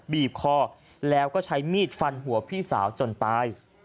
บีบคอแล้วก็ใช้มีดฟันหัวพี่สาวจนตาย